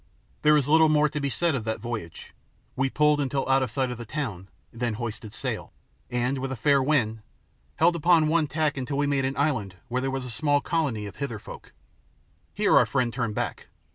There is little more to be said of that voyage. We pulled until out of sight of the town, then hoisted sail, and, with a fair wind, held upon one tack until we made an island where there was a small colony of Hither folk. Here our friend turned back.